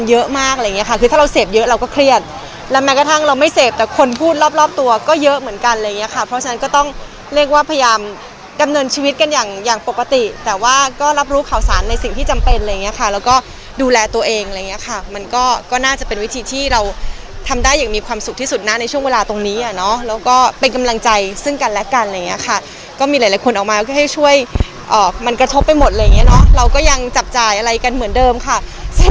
เยอะมากอะไรอย่างเงี้ยค่ะคือถ้าเราเสพเยอะเราก็เครียดแล้วแม้กระทั่งเราไม่เสพแต่คนพูดรอบรอบตัวก็เยอะเหมือนกันอะไรอย่างเงี้ยค่ะเพราะฉะนั้นก็ต้องเรียกว่าพยายามกำเนินชีวิตกันอย่างอย่างปกติแต่ว่าก็รับรู้ข่าวสารในสิ่งที่จำเป็นอะไรอย่างเงี้ยค่ะแล้วก็ดูแลตัวเองอะไรอย่างเงี้ยค่ะมันก็ก็น่าจะเป็นวิธี